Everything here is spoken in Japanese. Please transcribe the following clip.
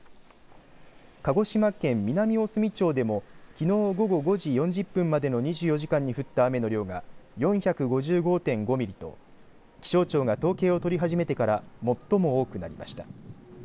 鹿児島県南大隅町でもきのう午後５時４０分までの２４時間に降った雨の量が４５５．５ミリと気象庁が統計を取り始めてから最も多くなりました。